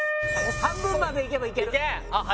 半分までいけばいける。